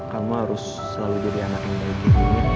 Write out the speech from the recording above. kamu harus selalu jadi anak yang baik